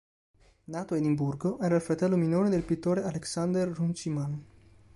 Nato a Edimburgo, era il fratello minore del pittore Alexander Runciman.